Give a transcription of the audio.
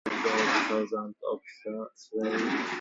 He is a former business manager and public servant.